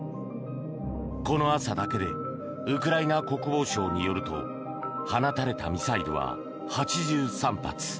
この朝だけでウクライナ国防省によると放たれたミサイルは８３発。